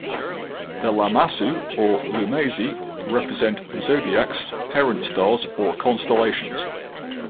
The Lammasu or Lumasi represent the zodiacs, parent-stars, or constellations.